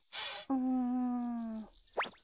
うん。